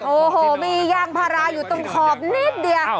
โอ้โหมียางพาราอยู่ตรงขอบนิดเดียว